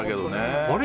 あれ？